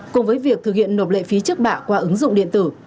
cùng với việc thực hiện nộp lệ phí trước bạ qua ứng dụng điện tử